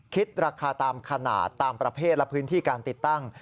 คิดราคาตามขนาดตามประเภทและพื้นที่การติดตั้ง